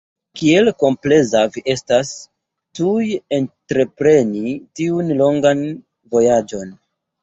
Kiel kompleza vi estas, tuj entrepreni tiun longan vojaĝon!